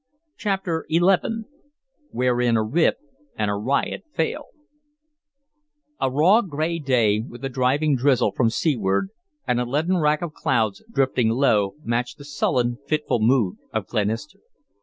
CHAPTER XI WHEREIN A WRIT AND A RIOT FAIL A Raw, gray day with a driving drizzle from seaward and a leaden rack of clouds drifting low matched the sullen, fitful mood of Glenister.